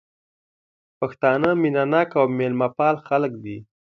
پښتانه مينه ناک او ميلمه پال خلک دي